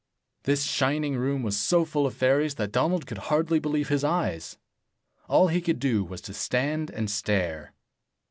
This shining room was so full of fairies that Donald could hardly believe his eyes. All he could do was to stand and stare.